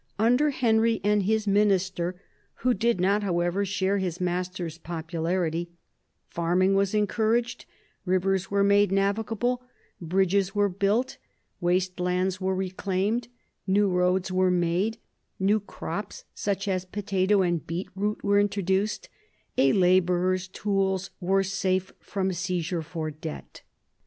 Under Henry and his minister — who did not, however, share his master's popularity — farming was encouraged, rivers were made navigable, bridges were built, waste lands were reclaimed, new roads were made, new crops, such as potato and beet root, were introduced, a labourer's tools were safe from seizure for debt.